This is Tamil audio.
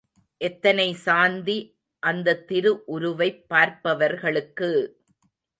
எத்தனை சாந்தி அந்தத் திரு உருவைப் பார்ப்பவர்களுக்கு!